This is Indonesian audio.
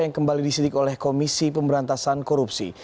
yang kembali disidik oleh komisi pemberantasan korupsi